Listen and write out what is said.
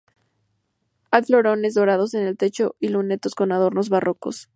Hay florones dorados en el techo y lunetos con adornos barrocos.